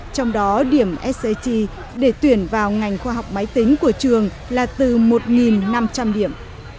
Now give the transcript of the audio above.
trong đó điểm sc để tuyển vào ngành khoa học máy tính của trường là từ một năm trăm linh điểm